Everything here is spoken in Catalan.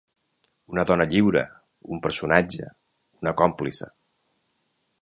Una dona lliure, un personatge, una còmplice.